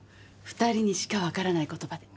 ２人にしかわからない言葉で。